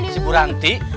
si bu ranti